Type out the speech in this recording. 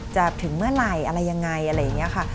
ถึงเมื่อไหร่อะไรยังไงอะไรอย่างนี้ค่ะ